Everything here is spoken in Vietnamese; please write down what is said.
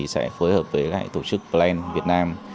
sẽ phối hợp với lại tổ chức plan việt nam